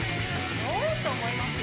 多いと思いますよ。